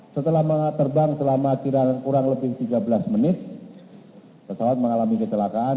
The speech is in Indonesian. setelah terbang selama kurang lebih tiga belas menit pesawat mengalami kecelakaan